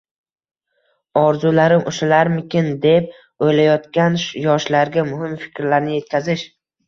Orzularim ushalarmikin?» deb oʻylanayotgan yoshlarga muhim fikrlarni yetkazish.